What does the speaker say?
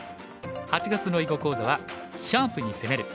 ８月の囲碁講座は「シャープに攻める」。